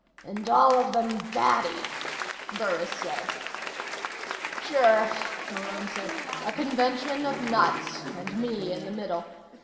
"And all of them batty," Burris said. "Sure," Malone said. "A convention of nuts and me in the middle.